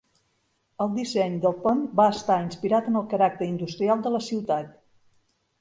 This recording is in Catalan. El disseny del pont va estar inspirat en el caràcter industrial de la ciutat.